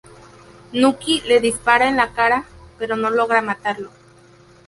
Nucky le dispara en la cara, pero no logra matarlo.